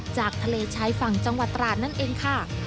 จากทะเลชายฝั่งจังหวัดตราดนั่นเองค่ะ